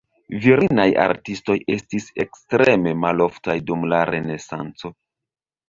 Virinaj artistoj estis ekstreme maloftaj dum la Renesanco.